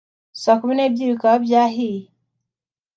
saa kumi n’ebyiri bikaba byahiye